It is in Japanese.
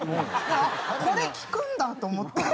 あっこれ効くんだと思って。